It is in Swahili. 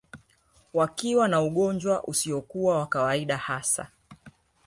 Wakiwa na ugonjwa usiokuwa wa kawaida hasa